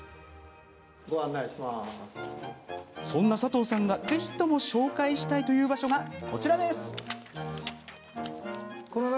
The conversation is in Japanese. そんな佐藤さんがぜひとも紹介したいという場所がこちらです。